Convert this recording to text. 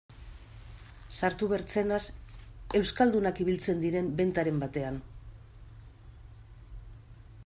Sartu bertzenaz euskaldunak ibiltzen diren bentaren batean...